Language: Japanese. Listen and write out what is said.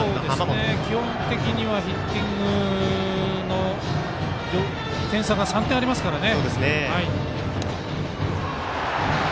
基本的にはヒッティング点差が３点ありますからね。